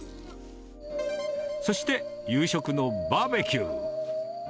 そして、夕食のバーベキュー。